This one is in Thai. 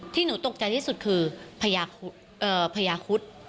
ที่หนูตกใจที่สุดคือพระยาคุฎ